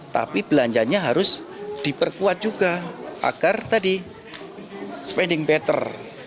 tapi belanjanya harus diperkuat juga agar tadi spending better